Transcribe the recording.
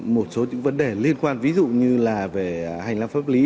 một số những vấn đề liên quan ví dụ như là về hành lang pháp lý